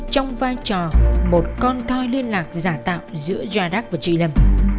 trong vai trò một con thoi liên lạc giả tạo giữa giardak và chị lâm